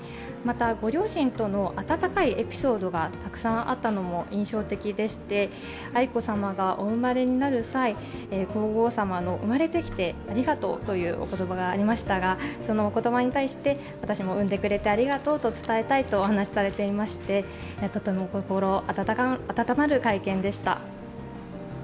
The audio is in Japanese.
また、ご両親とのあたたかいエピソードがたくさんあったのも印象的でして、愛子さまがお生まれになる際、皇后さまの生まれてきてありがとうというおことばがありましたがそのお言葉に対して、私も産んでくれてありがとうと伝えたいとお話しされていまして、とても心温まる会見でした。